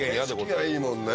景色がいいもんね。